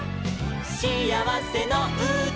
しあわせのうた」